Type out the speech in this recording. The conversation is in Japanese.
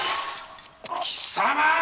貴様！